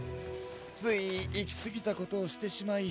ついいきすぎたことをしてしまい。